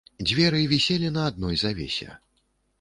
Дзверы віселі на адной завесе.